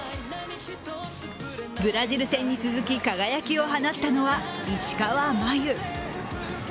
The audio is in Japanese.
ブラジル戦に続き輝きを放ったのは石川真佑。